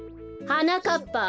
はなかっぱ